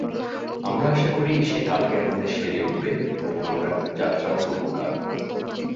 আমরা আশা করি, সে কালকের মধ্যে সেরে উঠবে এবং আমরা যাত্রাও করব কাল।